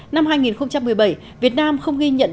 năm hai nghìn một mươi bảy việt nam không ghi nhận